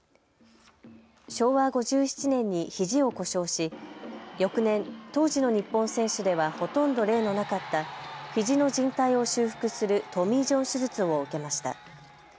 昭和５７年にひじを故障し翌年、当時の日本選手ではほとんど例のなかったひじのじん帯を修復するトミー・ジョン手術を受けました。